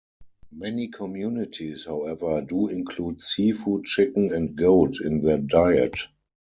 Many communities, however, do include seafood, chicken, and goat in their diet.